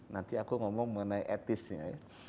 nanti aku ngomong mengenai etisnya ya